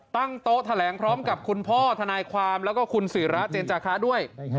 ตั้งโต๊ะแถลงพร้อมกับคุณพ่อทนายความแล้วก็คุณศิราเจนจาคะด้วย